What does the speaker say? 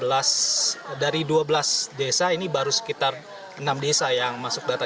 ini datanya sendiri baru masuk dari dua belas desa ini baru sekitar enam desa yang masuk data